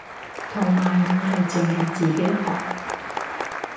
同埋唔係淨係自己學